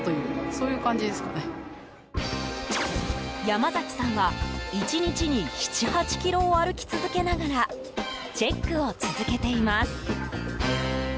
山崎さんは１日に７８ｋｍを歩き続けながらチェックを続けています。